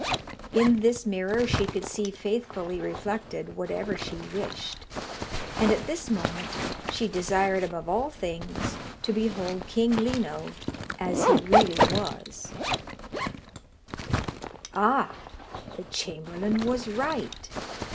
In this mirror she could see faithfully reflected whatever she wished, and at this moment she desired above all things to behold King Lino as he really was. Ah! the chamberlain was right!